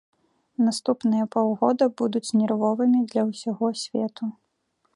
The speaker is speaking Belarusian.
Наступныя паўгода будуць нервовымі для ўсяго свету.